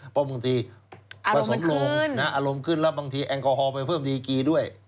เพราะบางทีอารมณ์มันขึ้นอารมณ์ขึ้นแล้วบางทีแอนโกฮอลไปเพิ่มดีกีด้วย